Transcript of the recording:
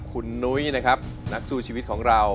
คุณนุ้ยนะครับนักสู้ชีวิตของเรา